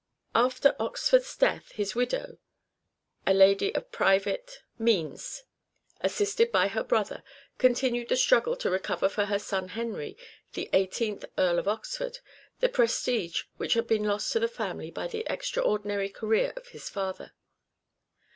Fanuly After Oxford's death his widow, a lady of private means, assisted by her brother, continued the struggle to recover for her son Henry, the eigtheenth Earl of Oxford, the prestige which had been lost to the family by the extraordinary career of his father.